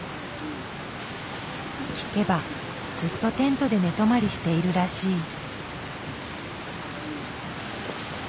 聞けばずっとテントで寝泊まりしているらしい。